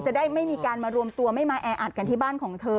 ได้ไม่มีการมารวมตัวไม่มาแออัดกันที่บ้านของเธอ